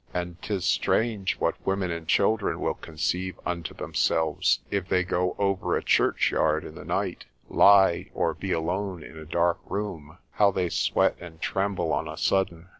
And 'tis strange what women and children will conceive unto themselves, if they go over a churchyard in the night, lie, or be alone in a dark room, how they sweat and tremble on a sudden.